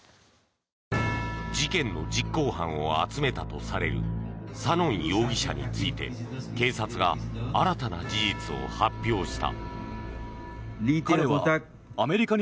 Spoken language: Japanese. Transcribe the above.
事件の実行犯を集めたとされるサノン容疑者について警察が新たな事実を発表した。